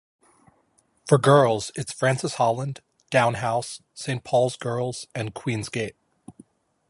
For girls, it's Francis Holland, Downe House, Saint Paul's Girls' and Queen's Gate.